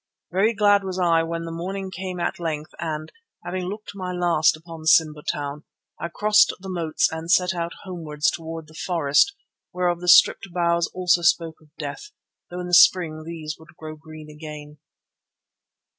Very glad was I when the morning came at length and, having looked my last upon Simba Town, I crossed the moats and set out homewards through the forest whereof the stripped boughs also spoke of death, though in the spring these would grow green again.